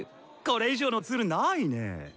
これ以上のズルないネ！